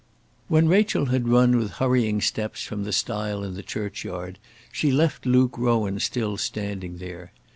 When Rachel had run with hurrying steps from the stile in the churchyard, she left Luke Rowan still standing there.